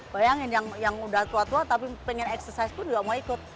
bayangin yang udah tua tua tapi pengen eksersis pun juga mau ikut